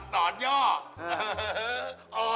ด่อนเยา